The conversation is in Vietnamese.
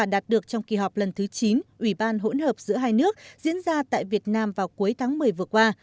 đạt được trong kỳ họp lần thứ chín ủy ban hỗn hợp giữa hai nước diễn ra tại việt nam vào cuối tháng một mươi vừa qua